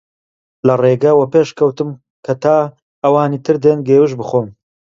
لە ڕێگە وەپێش کەوتم کە تا ئەوانی تر دێن گێوژ بخۆم